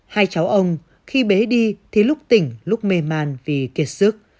hai cháu ông khi bé đi thì lúc tỉnh lúc mềm an vì kiệt sức